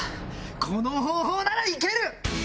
この方法なら行ける！